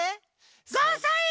ゴーサイン！